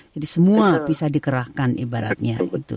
jadi semua bisa dikerahkan ibaratnya